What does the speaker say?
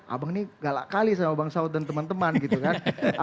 abang ini galak kali sama bang saud dan teman teman gitu kan